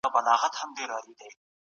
ایا لوی صادروونکي انځر اخلي؟